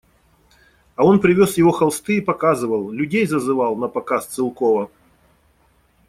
А он привез его холсты и показывал, людей зазывал на показ Целкова.